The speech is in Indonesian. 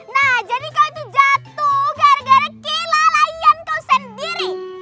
nah jadi kau itu jatuh gara gara kila layan kau sendiri